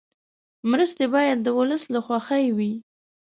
مرستې باید د ولس له خوښې وي.